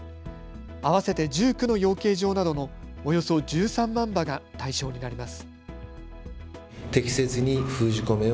合わせて１９の養鶏場などのおよそ１３万羽が対象になります。